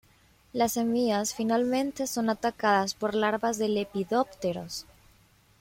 Las semillas, finalmente, son atacadas por larvas de lepidópteros.